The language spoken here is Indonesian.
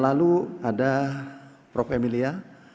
lalu ada prof emilia